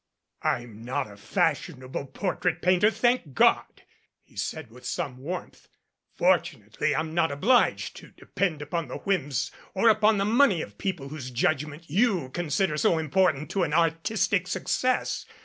"I'm not a fashionable portrait painter, thank God," he said with some warmth. "Fortunately I'm not obliged to depend upon the whims or upon the money of the people whose judgment you consider so important to an artistic success.